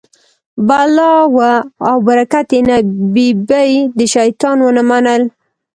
بلا وه او برکت یې نه، ببۍ د شیطان و نه منل.